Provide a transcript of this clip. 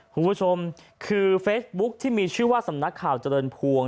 คุณผู้ชมคือเฟซบุ๊คที่มีชื่อว่าสำนักข่าวเจริญพวง